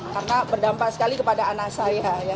karena berdampak sekali kepada anak saya